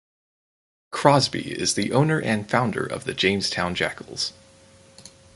Crosby is the owner and founder of the Jamestown Jackals.